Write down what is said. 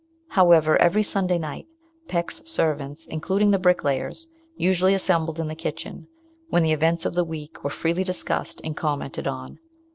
However, every Sunday night, Peck's servants, including the bricklayers, usually assembled in the kitchen, when the events of the week were freely discussed and commented on.